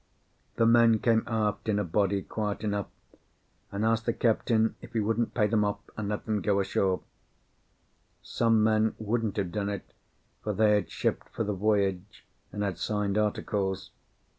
The men came aft in a body, quiet enough, and asked the captain if he wouldn't pay them off, and let them go ashore. Some men wouldn't have done it, for they had shipped for the voyage, and had signed articles.